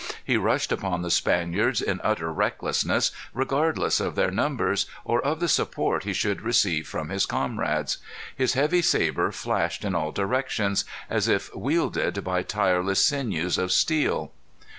He rushed upon the Spaniards in utter recklessness, regardless of their numbers, or of the support he should receive from his comrades. His heavy sabre flashed in all directions, as if wielded by tireless sinews of steel.